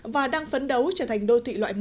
và đang phấn đấu trở thành đô thị loại một